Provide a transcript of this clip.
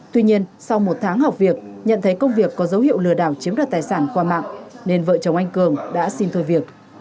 tuy nhiên sau một tháng học việc nhận thấy công việc có dấu hiệu lừa đảo chiếm đoạt tài sản qua mạng nên vợ chồng anh cường đã xin thôi việc